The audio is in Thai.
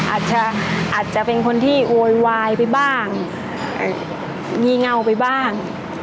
อาจจะอาจจะเป็นคนที่โวยวายไปบ้างมีเงาไปบ้าง